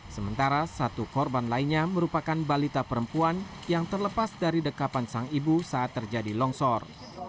sementara satu korban lainnya merupakan balita perempuan yang terlepas dari dekapan sang ibu saat terjadi longsor